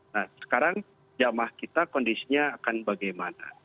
nah sekarang jamah kita kondisinya akan bagaimana